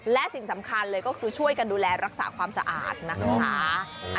และสิ่งสำคัญเลยก็คือช่วยกันดูแลรักษาความสะอาดนะคะ